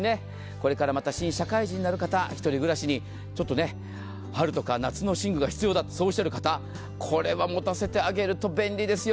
これからまた新社会人になる方一人暮らしに春とか夏の寝具が必要だとおっしゃる方これは持たせてあげると便利ですよ。